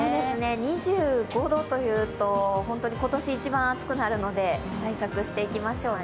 ２５度というと、今年一番暑くなるので対策していきましょうね。